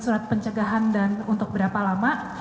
surat pencegahan dan untuk berapa lama